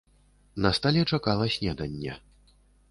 На стале чакала снеданне.